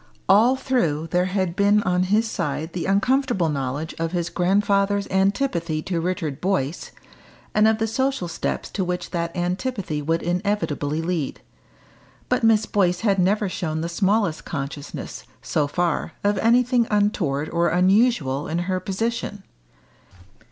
All through there had been on his side the uncomfortable knowledge of his grandfather's antipathy to Richard Boyce, and of the social steps to which that antipathy would inevitably lead. But Miss Boyce had never shown the smallest consciousness, so far, of anything untoward or unusual in her position.